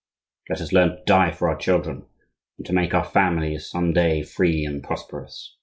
Let us learn to die for our children, and make our families some day free and prosperous."